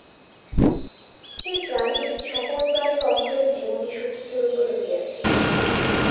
এই প্রাণই সকল প্রাণীর অন্তরে জীবনীশক্তিরূপে রহিয়াছে।